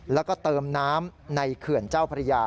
แล้วก็เติมน้ำในเขื่อนเจ้าพระยา